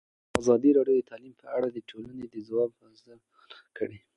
ازادي راډیو د تعلیم په اړه د ټولنې د ځواب ارزونه کړې.